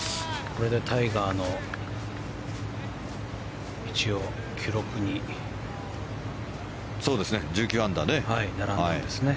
これでタイガーの一応、記録に並んだんですね。